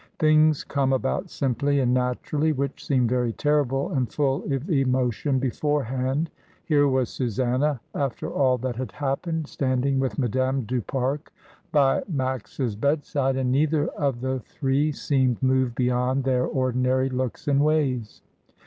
Things come about simply and naturally which seem very terrible and full of emotion beforehand. Here was Susanna, after all that had happened, standing with Madame du Pare by Max's bedside, and neither of the three seemed moved beyond their ordinary looks and ways.